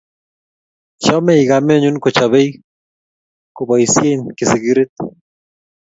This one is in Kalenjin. Chamei kamenyu kochopei kopoisie kisikirit